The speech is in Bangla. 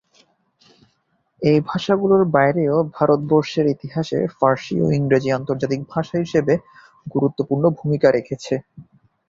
এই ভাষাগুলির বাইরেও ভারতবর্ষের ইতিহাসে ফার্সি ও ইংরেজি আন্তর্জাতিক ভাষা হিসেবে গুরুত্বপূর্ণ ভূমিকা রেখেছে।